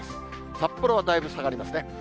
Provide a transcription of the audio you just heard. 札幌はだいぶ下がりますね。